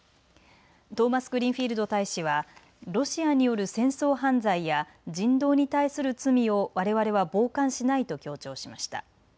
トーマスグリーンフィールド大使はロシアによる戦争犯罪や人道に対する罪をわれわれは傍観しないと強調しました。